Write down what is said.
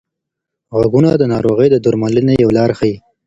غږونه د ناروغۍ د درملنې یوه لار ښيي.